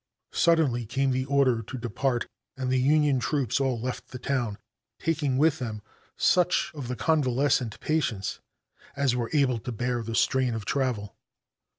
Suddenly came the order to depart and the Union troops all left the town, taking with them such of the convalescent patients as were able to bear the strain of travel.